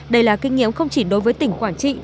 đây là kinh nghiệm không chỉ đối với tỉnh quảng trị